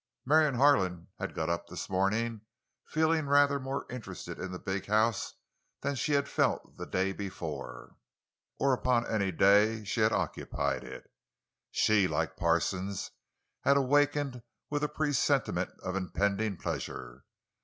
Marion Harlan had got up this morning feeling rather more interested in the big house than she had felt the day before—or upon any day that she had occupied it. She, like Parsons, had awakened with a presentiment of impending pleasure.